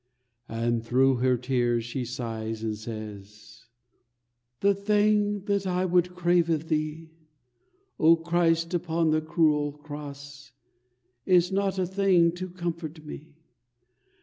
And through her tears she sighs and says: "The thing that I would crave of Thee, O Christ upon the cruel Cross, Is not a thing to comfort me.